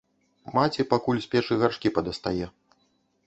Маці пакуль з печы гаршкі падастае.